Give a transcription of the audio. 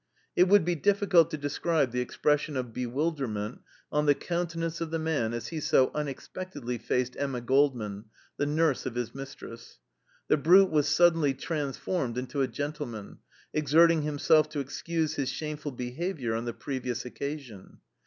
It would be difficult to describe the expression of bewilderment on the countenance of the man as he so unexpectedly faced Emma Goldman, the nurse of his mistress. The brute was suddenly transformed into a gentleman, exerting himself to excuse his shameful behavior on the previous occasion.